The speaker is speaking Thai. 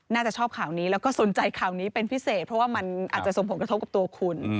น่าจะชอบข่าวนี้แล้วก็สนใจข่าวนี้เป็นพิเศษเพราะว่ามันอาจจะส่งผลกระทบกับตัวคุณ